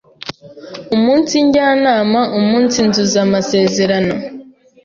umunsijya inama, umunsizuza amasezerano,